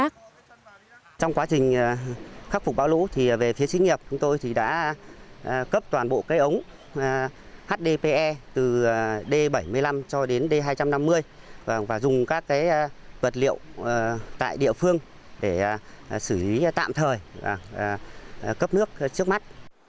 trong quá trình khắc phục bão lũ thì về phía sinh nghiệp chúng tôi đã cấp toàn bộ cây ống hdpe từ d bảy mươi năm cho đến d hai trăm năm mươi và dùng các vật liệu tại địa phương để xử lý tạm thời cấp nước trước mắt